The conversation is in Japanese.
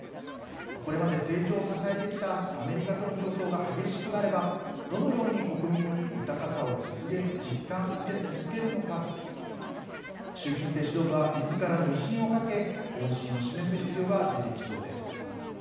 これまで成長を支えてきたアメリカとの競争が激しくなればどのように国民に豊かさを実感させ続けるのか習近平指導部はみずからの威信を懸け方針を示す必要が出てきそうです。